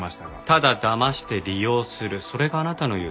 ただだまして利用するそれがあなたの言う救いなんですか？